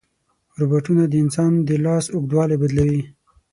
روبوټونه د انسان د لاس اوږدوالی بدلوي.